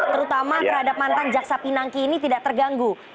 terutama terhadap mantan jaksa pinangki ini tidak terganggu